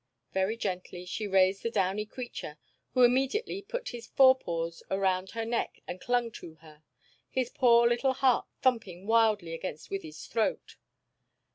Very gently she raised the downy creature, who immediately put his forepaws around her neck and clung to her, his poor little heart thumping wildly against Wythie's throat.